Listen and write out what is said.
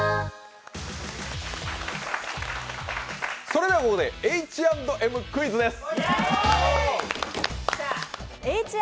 それではここでＨ＆Ｍクイズです。